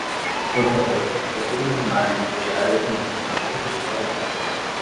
Por favor, procure na imagem do Diário Económico de Karobar.